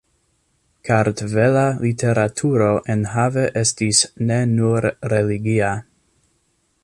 Kartvela literaturo enhave estis ne nur religia.